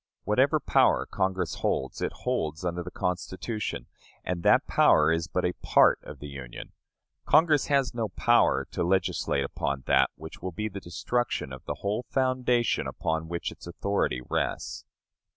Whatever power Congress holds, it bolds under the Constitution, and that power is but a part of the Union. Congress has no power to legislate upon that which will be the destruction of the whole foundation upon which its authority rests.